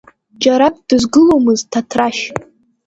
Џьарак дызгыломызт Ҭаҭрашь.